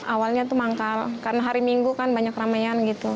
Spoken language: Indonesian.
awalnya itu mangkal karena hari minggu kan banyak ramaian